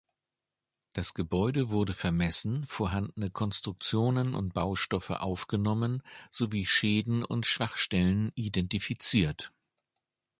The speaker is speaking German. Das Gebäude wurde vermessen, vorhandene Konstruktionen und Baustoffe aufgenommen sowie Schäden und Schwachstellen identifiziert.